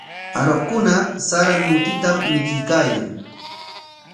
Aruqkuna sara mutitam mikuykaayan.